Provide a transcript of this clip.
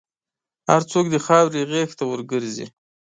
هر څوک د خاورې غېږ ته ورګرځي.